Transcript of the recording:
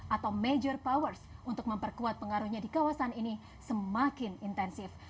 atau major powers untuk memperkuat pengaruhnya di kawasan ini semakin intensif